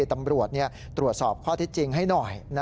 ตำรวจตรวจสอบข้อเท็จจริงให้หน่อย